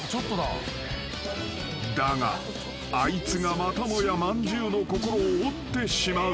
［だがあいつがまたもやまんじゅうの心を折ってしまう］